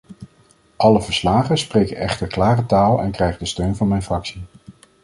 Alle verslagen spreken echter klare taal en krijgen de steun van mijn fractie.